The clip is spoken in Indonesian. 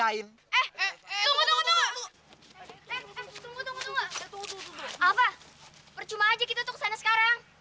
alva percuma aja kita tuh kesana sekarang